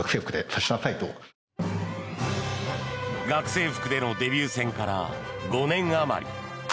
学生服でのデビュー戦から５年あまり。